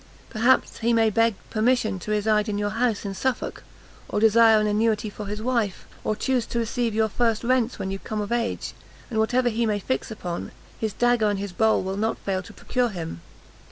Perhaps he may beg permission to reside in your house in Suffolk, or desire an annuity for his wife, or chuse to receive your first rents when you come of age; and whatever he may fix upon, his dagger and his bowl will not fail to procure him.